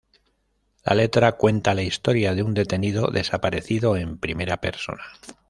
La letra cuenta la historia de un Detenido desaparecido en primera persona.